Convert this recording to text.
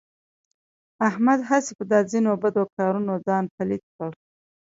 احمد هسې په دا ځنې بدو کارونو ځان پلیت کړ.